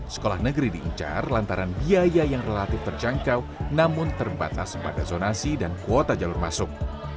sekolah negeri diincar lantaran biaya yang relatif terjangkau namun terbatas pada zonasi dan kuota jalur masuk